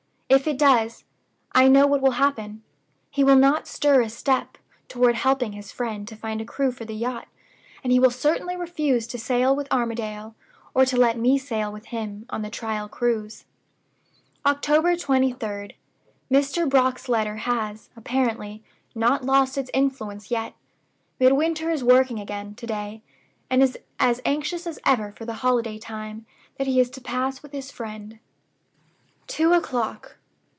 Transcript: If it does, I know what will happen. He will not stir a step toward helping his friend to find a crew for the yacht; and he will certainly refuse to sail with Armadale, or to let me sail with him, on the trial cruise." "October 23d. Mr. Brock's letter has, apparently, not lost its influence yet. Midwinter is working again to day, and is as anxious as ever for the holiday time that he is to pass with his friend. "Two o'clock.